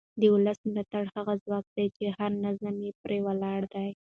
د ولس ملاتړ هغه ځواک دی چې هر نظام پرې ولاړ وي